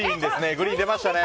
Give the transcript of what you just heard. グリーン出ましたね。